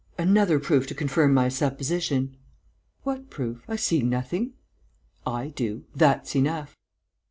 "Another proof to confirm my supposition...." "What proof? I see nothing." "I do.... That's enough...."